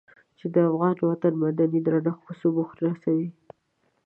چې د افغان وطن مدني درنښت په ثبوت رسوي.